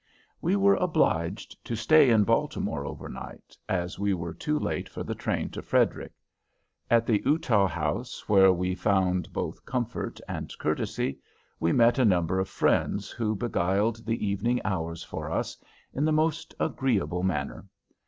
We were obliged to stay in Baltimore over night, as we were too late for the train to Frederick. At the Eutaw House, where we found both comfort and courtesy, we met a number of friends, who beguiled the evening hours for us in the most agreeable manner.